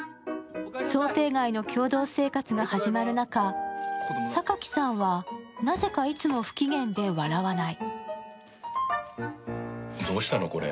想定外の共同生活が始まる中、榊さんは、なぜか、いつも不機嫌で笑わない。